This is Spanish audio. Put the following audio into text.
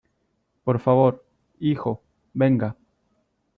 por favor, hijo , venga.